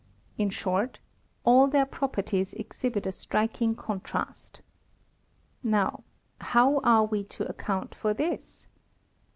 In short all their properties exhibit a striking con trast. Now how are we to account for this